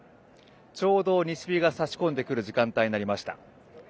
ちょうど西日が差し込んでいる時間になります。